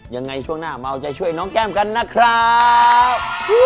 ยังไงช่วงหน้ามาเอาใจช่วยน้องแก้มกันนะครับ